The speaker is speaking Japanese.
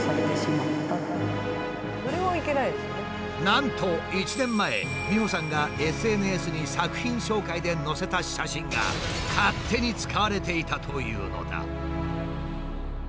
なんと１年前ｍｉｈｏさんがＳＮＳに作品紹介で載せた写真が勝手に使われていたというのだ。